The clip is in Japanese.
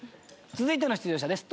続いての出場者です。